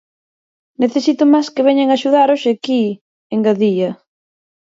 Necesito mans que veñan axudar hoxe aquí, engadía.